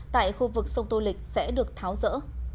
tại khu vực sông tô lịch sẽ được tháo rỡ